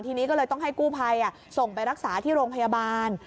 ทีนี้ก็เลยต้องให้กู้ภัยส่งไปรักษาที่โรงพยาบาล